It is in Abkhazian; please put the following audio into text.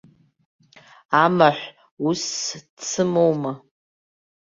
Амаҳә усс дсымоума.